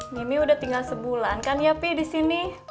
mimi udah tinggal sebulan kan ya pi disini